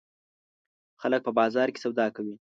خلک په بازار کې سودا کوي.